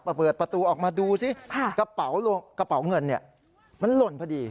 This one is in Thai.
เปิดประตูออกมาดูสิกระเป๋าเงินมันล่นพอดี